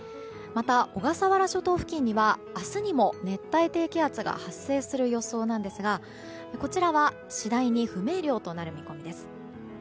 また、小笠原諸島付近には明日にも熱帯低気圧が発生する予想なんですがこちらは次第に不明瞭となる見込みです。